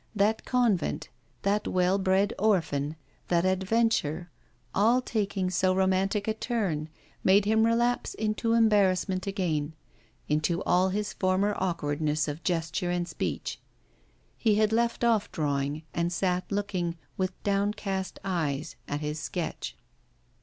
That convent, that well bred orphan, that adventure, all taking so romantic a turn, made him relapse into embarrassment again, into all his former awkwardness of gesture and speech. He had left off drawing, and sat looking, with downcast eyes, at his sketch.